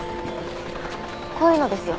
こういうのですよ。